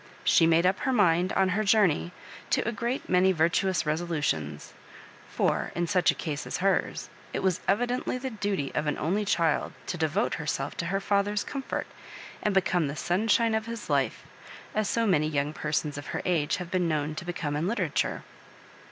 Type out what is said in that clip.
She made up her mind on her journey to a great many virtuous resolutions ; for, in sudi a case as hers, it was evidently the duty of an only child to devote herself to her &ther*s com fort, and become the sunshine of his life, as so many young persons of her age have been known to become in literature.